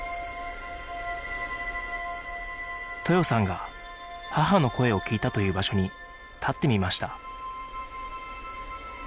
豊さんが母の声を聞いたという場所に立ってみました